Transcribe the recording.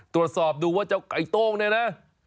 ตรวจสอบดูว่าเจ้าไก่โต้งเนี่ยนะ